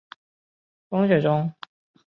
我们在风雪中边走边吃